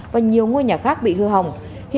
và nhiều ngôi nhà khác bị hư hỏng